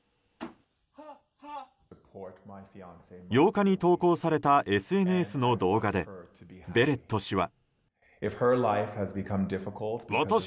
８日に投稿されたＳＮＳの動画でベレット氏は。